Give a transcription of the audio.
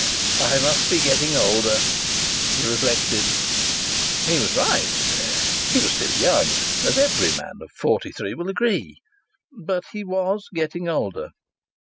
"I must be getting older," he reflected. He was right. He was still young, as every man of forty three will agree, but he was getting older.